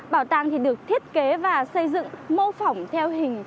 bảo tàng được thiết kế và xây dựng mô phỏng theo hình